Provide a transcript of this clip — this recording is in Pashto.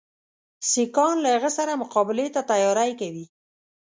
سیکهان له هغه سره مقابلې ته تیاری کوي.